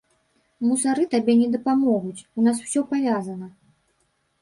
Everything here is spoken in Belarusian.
Мусары табе не дапамогуць, у нас усё павязана.